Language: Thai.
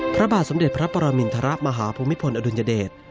พระบาทสมเด็จพระปรมินทรมาฮภูมิพลอดุลยเดช